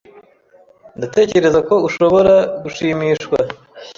Ndatekereza ko ushobora gushimishwa ...